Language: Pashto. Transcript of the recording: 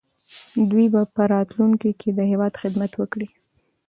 دوی به په راتلونکي کې د هېواد خدمت وکړي.